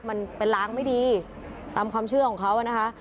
มันเป็นล้างไม่ดีตามความเชื่อของเขานะคะ